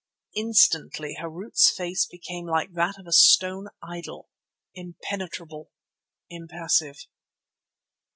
Instantly Harût's face became like that of a stone idol, impenetrable, impassive.